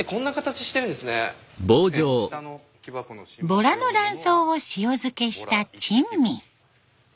ボラの卵巣を塩漬けした珍味。